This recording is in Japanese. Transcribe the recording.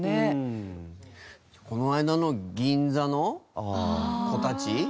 この間の銀座の子たち。